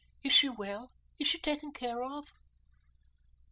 "Is she well? Is she taken care of?"